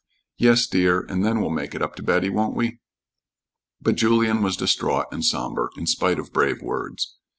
"Yes, dear, and then we'll make it up to Betty, won't we?" But Julien was distraught and somber, in spite of brave words.